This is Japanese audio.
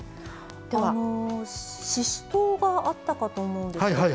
あのししとうがあったかと思うんですけど。